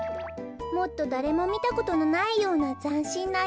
もっとだれもみたことのないようなざんしんな